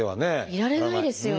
いられないですよね。